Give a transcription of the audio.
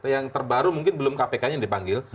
yang terbaru mungkin belum kpk nya yang dipanggil